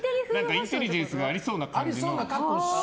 インテリジェンスがありそうな感じの。